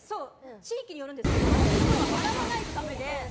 地域によるんですけど私のところは洗わないとダメで。